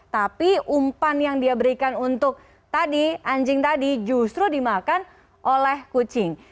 tapi umpan yang dia berikan untuk tadi anjing tadi justru dimakan oleh kucing